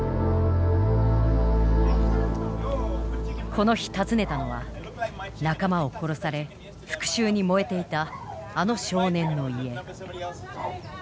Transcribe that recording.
この日訪ねたのは仲間を殺され復讐に燃えていたあの少年の家。